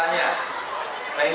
jadi youtuber pak